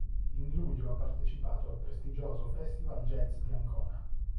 In luglio ha partecipato al prestigioso Festival Jazz di Ascona.